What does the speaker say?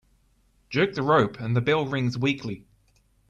Jerk the rope and the bell rings weakly.